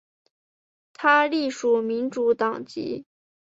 他隶属民主党籍。